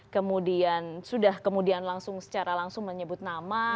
kemudian sudah kemudian langsung secara langsung menyebut nama